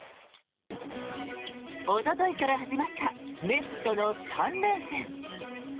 おとといから始まったメッツとの３連戦。